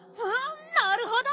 なるほど！